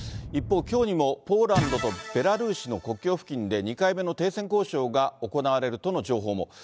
一方、きょうにもポーランドとベラルーシの国境付近で２回目の停戦交渉が行われるとの情報も。